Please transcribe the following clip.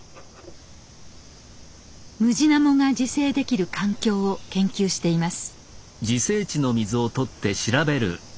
ムジナモが自生できる環境を研究しています。